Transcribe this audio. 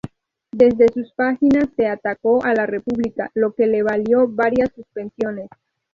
Desde sus páginas se atacó a la República, lo que le valió varias suspensiones.